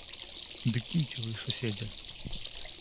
Ды кіньце вы, суседзе!